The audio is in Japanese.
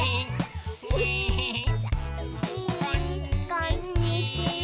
こんにちは。